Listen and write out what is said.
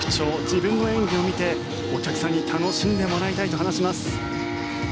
自分の演技を見てお客さんに楽しんでもらいたいと話します。